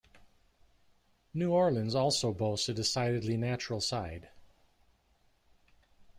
New Orleans also boasts a decidedly natural side.